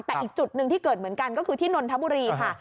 แต่อีกจุดหนึ่งที่เกิดเหมือนกันก็คือที่นนทบุรีค่ะ